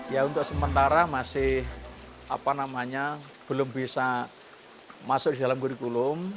ya untuk sementara masih apa namanya belum bisa masuk di dalam bulu bulum